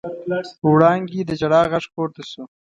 وړانګې د ژړا غږ پورته شو.